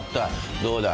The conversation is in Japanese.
どうだ？